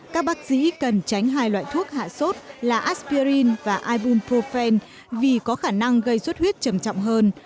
các bác sĩ cần tránh hai loại thuốc hạ sốt là aspirin và ibuprofen vì có khả năng gây suất huyết trầm trọng hơn